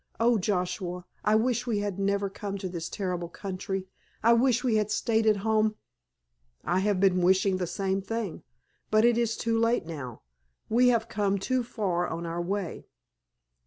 "Oh, Joshua, I wish we had never come to this terrible country. I wish we had stayed at home——" "I have been wishing the same thing. But it is too late now. We have come too far on our way.